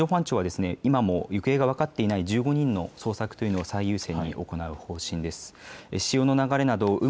海上保安庁は今も行方が分かっていない１５人の捜索というのを最優先に行う方針です。